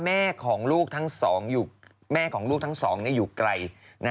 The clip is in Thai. แม่ของลูกทั้งสองอยู่ไกล